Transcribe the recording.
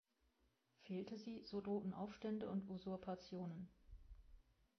Fehlte sie, so drohten Aufstände und Usurpationen.